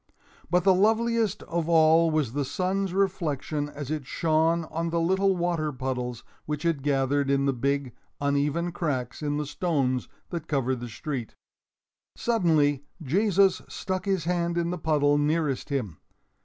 But the loveliest of all was the sun's reflection as it shone on the little water puddles which had gathered in the big, uneven cracks in the stones that covered the street. Suddenly Jesus stuck his hand in the puddle nearest him.